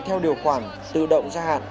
theo điều khoản tự động gia hạn